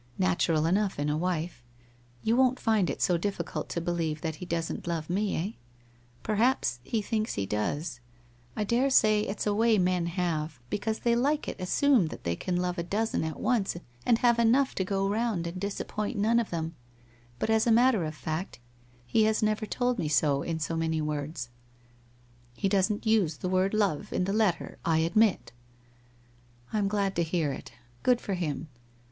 Natural enough in a wife. You won't find it so difficult to believe that he doesn't love me, eh? Perhaps, he thinks he does? I daresay; it's a way men have, because they like it assumed that they can love a WHITE ROSE OF WEARY LEAF 199 dozen at once and have enough to go round and disappoint none of them, but as a matter of fact, he has never told mc so in so many words/ ' He doesn't use the word love in the letter, I admit/ ' I am glad to hear it. Good for him